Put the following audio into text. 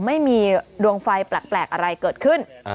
ไม่มีดวงไฟแปลกอะไรเกิดขึ้น